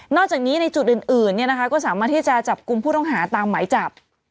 นอกจากนี้ในจุดอื่นเนี่ยนะคะก็สามารถที่จะจับกลุ่มผู้ต้องหาตามไหมจับ